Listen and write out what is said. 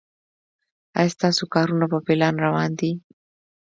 ایا ستاسو کارونه په پلان روان دي؟